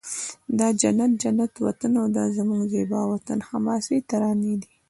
دا جنت جنت وطن او دا زموږ زیبا وطن حماسې ترانې دي